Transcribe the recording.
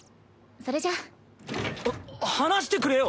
それじゃ。は話してくれよ。